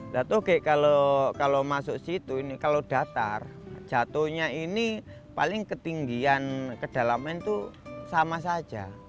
nah toge kalau masuk situ ini kalau datar jatuhnya ini paling ketinggian kedalaman itu sama saja